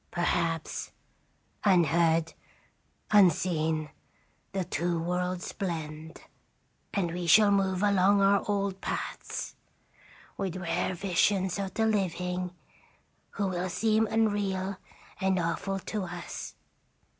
Perhaps, unheard, unseen, the two worlds blend, and we shall move along our old paths, with rare visions of the living, who will seem unreal and awful to us.